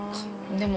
でも。